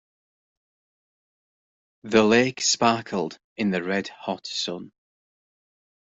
The lake sparkled in the red hot sun.